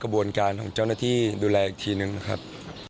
บวนการของเจ้าหน้าที่ดูแลอีกทีหนึ่งนะครับ